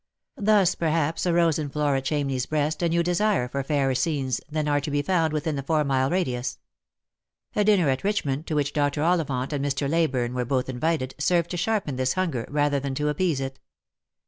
Thus, perhaps, arose in Flora Ohamney's breast a new desire for fairer scenes than are to be found within the four mile radius. A dinner at Richmond, to which Dr. Ollivant and Mr. Leyburne were doth invited, served to sharpen this hunger rather than to appease it.